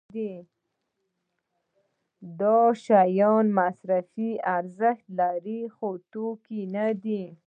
دا شیان مصرفي ارزښت لري خو توکي نه دي.